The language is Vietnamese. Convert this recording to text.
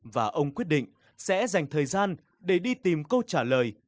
và ông quyết định sẽ dành thời gian để đi tìm câu trả lời